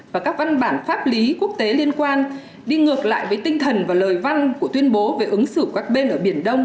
và các văn bản pháp lý quốc tế liên quan đi ngược lại với tinh thần và lời văn của tuyên bố về ứng xử của các bên ở biển đông